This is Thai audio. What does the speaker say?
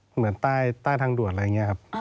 เหมือนใต้ทางด่วนอะไรอย่างนี้ครับ